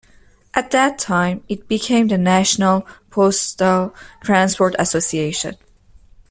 At that time, it became the National Postal Transport Association.